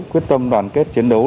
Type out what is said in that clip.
quyết tâm đoàn kết chiến đấu